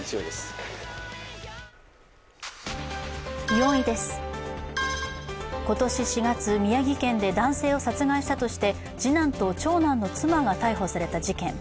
４位です、今年４月宮城県で男性を殺害したとして、次男と長男の妻が逮捕された事件。